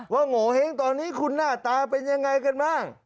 โงเห้งตอนนี้คุณหน้าตาเป็นยังไงกันบ้าง